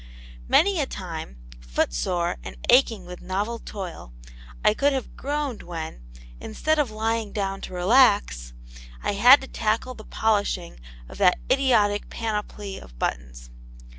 Many a time, footsore and aching with novel toil, I could have groaned when, instead of lying down to relax, I had to tackle the polishing of that idiotic panoply of buttons.